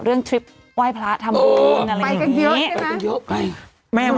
เรื่องทริปไหว้พระธรรมดิอะไรอย่างงี้ไปกันเยอะใช่ไหมไปกันเยอะไป